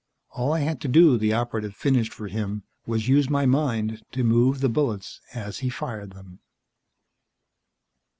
"All I had to do," the Operative finished for him, "was use my mind to move the bullets as he fired them."